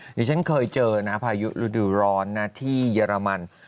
เดี๋ยวฉันเคยเจอพายุรูดูร้อนที่เยอรมัน